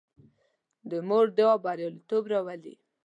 د مور دعا بریالیتوب راولي.